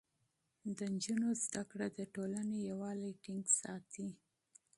د نجونو زده کړه د ټولنې يووالی ټينګ ساتي.